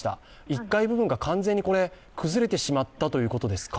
１階部分が完全に崩れてしまったということですか？